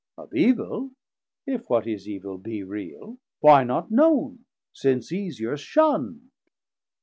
of evil, if what is evil Be real, why not known, since easier shunnd?